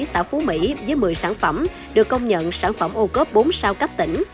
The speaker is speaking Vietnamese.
xã phú mỹ với một mươi sản phẩm được công nhận sản phẩm ô cốp bốn sao cấp tỉnh